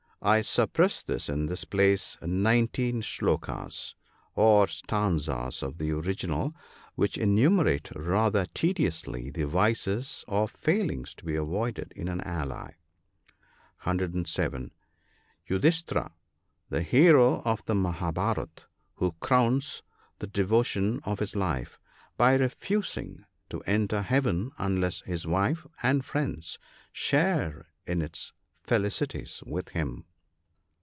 — I suppress in this place nineteen shlokes, or stanzas, of the original, which enumerate rather tediously the vices or failings to be avoided in an ally. (107.) Yudhisthira. — The hero of the Mahabharat, who crowns the devotion of his life by refusing to enter Heaven unless his wife and friends share in its felicities with him.